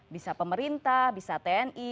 bisa pemerintah bisa tni